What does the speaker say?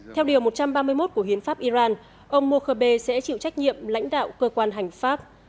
theo điều một trăm ba mươi một của hiến pháp iran ông mokhebe sẽ chịu trách nhiệm lãnh đạo cơ quan hành pháp